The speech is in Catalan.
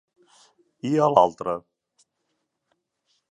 I a l'altra?